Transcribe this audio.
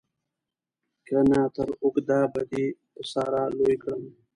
که نه تر اوږده به دې په ساره لوی کړم.